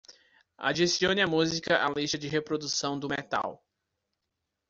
Adicione a música à lista de reprodução do Metal.